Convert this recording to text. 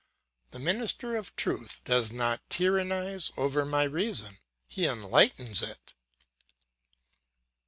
The minister of truth does not tyrannise over my reason, he enlightens it.